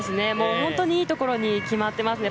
本当にいいところに決まってますね。